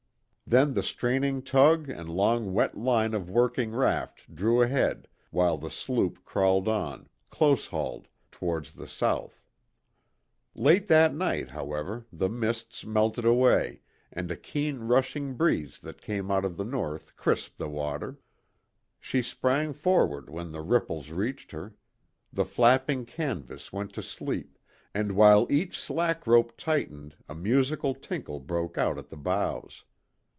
Then the straining tug and long wet line of working raft drew ahead, while the sloop crawled on, close hauled, towards the south. Late that night, however, the mists melted away, and a keen rushing breeze that came out of the north crisped the water. She sprang forward when the ripples reached her; the flapping canvas went to sleep, and while each slack rope tightened a musical tinkle broke out at the bows.